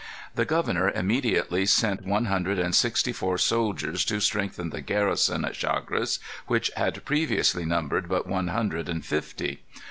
The governor immediately sent one hundred and sixty four soldiers to strengthen the garrison at Chagres, which had previously numbered but one hundred and fifty.